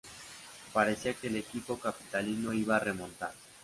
Parecía que el equipo capitalino iba a remontar.